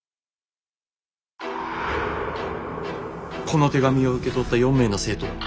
「この手紙を受け取った４名の生徒は」。